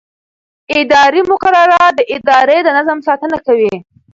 اداري مقررات د ادارې د نظم ساتنه کوي.